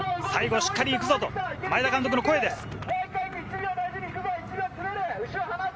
最後しっかり行くぞ！と前田監督の声です。